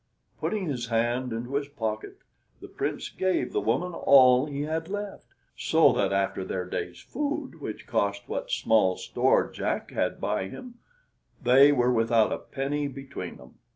Putting his hand into his pocket, the Prince gave the woman all he had left, so that after their day's food, which cost what small store Jack had by him, they were without a penny between them.